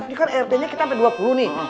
ini kan rt nya kita sampai dua puluh nih